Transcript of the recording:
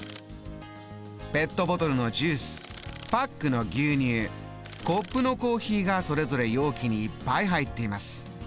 ペットボトルのジュースパックの牛乳コップのコーヒーがそれぞれ容器にいっぱい入っています。